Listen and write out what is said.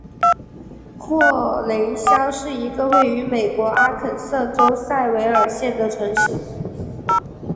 霍雷肖是一个位于美国阿肯色州塞维尔县的城市。